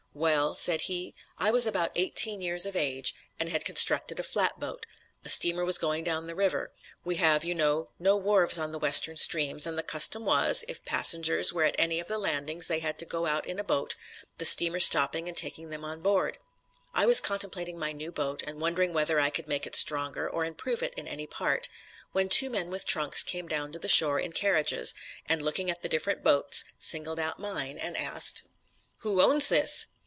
"Well," said he, "I was about eighteen years of age ... and had constructed a flatboat. ... A steamer was going down the river. We have, you know, no wharves on the western streams, and the custom was, if passengers were at any of the landings they had to go out in a boat, the steamer stopping and taking them on board. I was contemplating my new boat, and wondering whether I could make it stronger or improve it in any part, when two men with trunks came down to the shore in carriages, and looking at the different boats, singled out mine, and asked: "'Who owns this?'